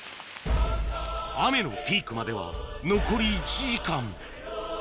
雨のピークまでは残り１時間